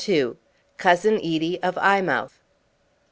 COUSIN EDIE OF EYEMOUTH.